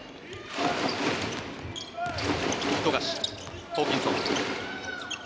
富樫、ホーキンソン。